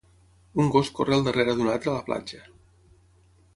Un gos corre al darrera d'un altre a la platja.